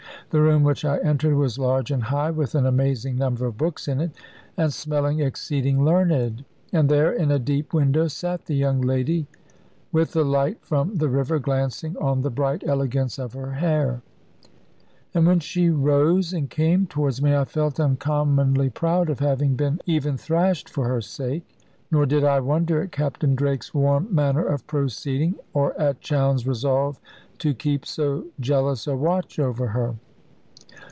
The room which I entered was large and high, with an amazing number of books in it, and smelling exceeding learned. And there in a deep window sat the young lady, with the light from the river glancing on the bright elegance of her hair. And when she rose and came towards me, I felt uncommonly proud of having been even thrashed for her sake: nor did I wonder at Captain Drake's warm manner of proceeding, or at Chowne's resolve to keep so jealous a watch over her.